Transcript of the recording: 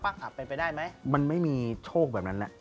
อับไปได้ไหมมันไม่มีโชคแบบนั้น